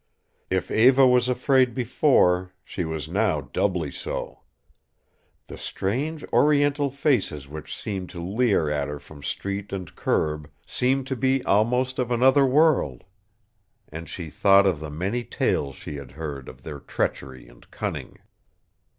If Eva was afraid before she was now doubly so. The strange Oriental faces which seemed to leer at her from street and curb seemed to be almost of another world, and she thought of the many tales she had heard, of their treachery and cunning.